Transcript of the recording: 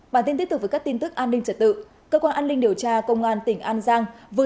bản tin tiếp tục với các tin tức an ninh trật tự cơ quan an ninh điều tra công an tỉnh an giang vừa